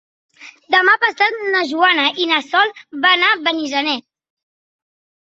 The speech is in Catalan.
Demà passat na Joana i na Sol van a Benissanet.